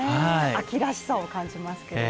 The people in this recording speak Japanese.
秋らしさを感じますけれども。